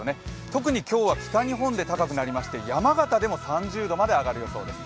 特に今日は北日本で高くなりまして、山形でも３０度まで上がる予想です。